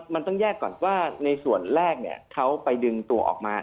มันต้องแยกก่อนว่าในส่วนแรกเขาไปดึงตัวออกมา